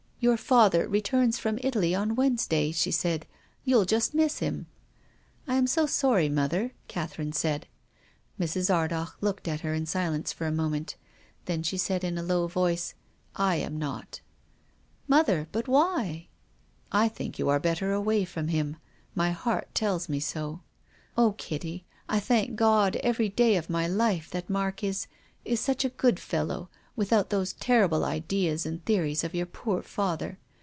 " Your father returns from Italy on Wednes day," she said. " You'll just miss him." " I am so sorry, mother," Catherine said. Mrs. Ardagh looked at her in silence for a mo ment. Then she said in a low voice, " I am not." "Mother— but why?" " I think you are better away from him. My heart tells me so. Oh, Kitty, I thank God every day of my life that Mark is — is such a good fellow, without those terrible ideas and theories of your poor father.